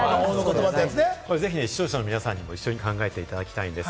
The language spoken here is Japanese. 視聴者の皆さんにもぜひ一緒に考えてもらいたいんです。